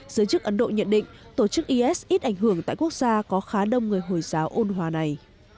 giới chức ấn độ nhận định tổ chức is ít ảnh hưởng tại quốc gia có khá đông người hồi giáo ôn hòa này